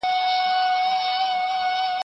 شاګرد ته د هغه په کار کي خپلواکي ورکړه.